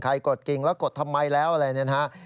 ใครกดกริงแล้วกดทำไมแล้วอะไรแบบนี้